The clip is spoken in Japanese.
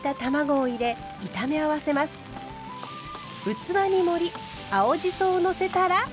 器に盛り青じそをのせたら完成。